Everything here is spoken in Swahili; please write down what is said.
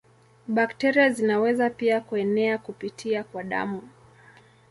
Bakteria zinaweza pia kuenea kupitia kwa damu.